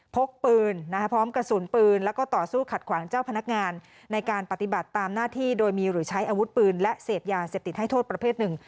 พกปืนพร้อมกระสุนปืนแล้วก็ต่อสู้ขัดขวางเจ้าพนักงานในการปฏิบัติตามหน้าที่โดยมีหรือใช้อาวุธปืนและเสพยาเสพติดให้โทษประเภทหนึ่ง